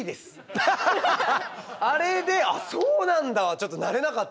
あれで「ああそうなんだ」はちょっとなれなかったですよ。